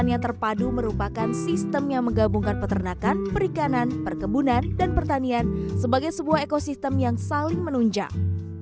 pertanian terpadu merupakan sistem yang menggabungkan peternakan perikanan perkebunan dan pertanian sebagai sebuah ekosistem yang saling menunjang